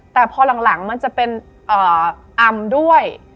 แต่พอหลังมันจะเป็นอำด้วย